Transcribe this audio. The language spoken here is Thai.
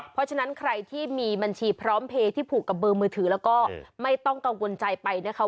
เพราะฉะนั้นใครที่มีบัญชีพร้อมเพลย์ที่ผูกกับเบอร์มือถือแล้วก็ไม่ต้องกังวลใจไปนะคะ